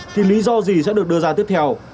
thì lý do gì sẽ được đưa ra tiếp theo